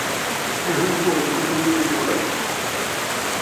En hoe worden die miljoenen gebruikt?